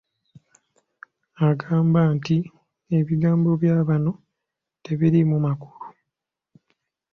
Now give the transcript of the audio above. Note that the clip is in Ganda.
Agamba nti ebigambo bya bano tebiriimu makulu.